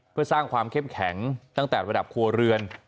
เพื่อสร้างความเข้มแข็งตั้งแต่ระดับครัวเรือน